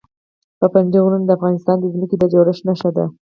پابندی غرونه د افغانستان د ځمکې د جوړښت نښه ده.